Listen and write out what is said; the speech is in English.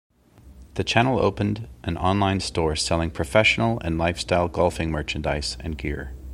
The channel opened an online store selling professional and lifestyle golfing merchandise and gear.